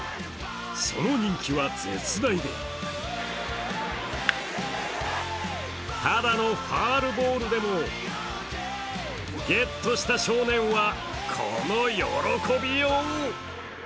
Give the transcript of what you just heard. その人気は絶大で、ただのファウルボールでもゲットした少年はこの喜びよう。